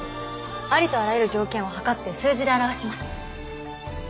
ありとあらゆる条件をはかって数字で表します。